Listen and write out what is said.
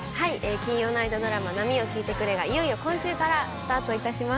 金曜ナイトドラマ『波よ聞いてくれ』がいよいよ今週からスタート致します。